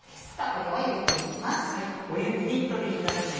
これをゆでていきます。